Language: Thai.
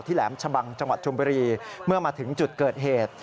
แหลมชะบังจังหวัดชมบุรีเมื่อมาถึงจุดเกิดเหตุ